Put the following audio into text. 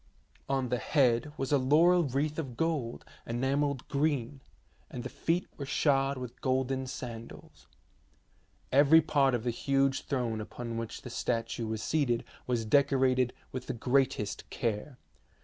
On the head was a laurel wreath of gold enamelled green, and the feet were shod with golden sandals. Every part of the huge throne upon which the statue was seated was decorated with the greatest care.